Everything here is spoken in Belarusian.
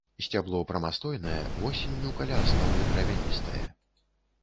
Сцябло прамастойнае, восенню каля асновы дравяністае.